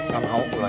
gak mau doi